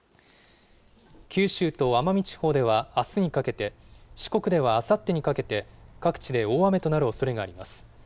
九州と奄美地方ではあすにかけて、四国ではあさってにかけて、各地で大雨となるおそれがあります。